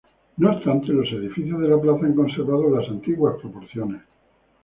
No obstante, los edificios de la plaza han conservado las antiguas proporciones.